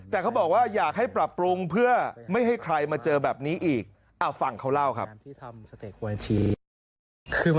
แต่เขาบอกว่าอยากให้ปรับปรุงเพื่อไม่ให้ใครมาเจอแบบนี้อีกฟังเขาเล่าครับ